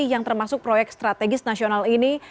yang termasuk proyek strategis nasional ini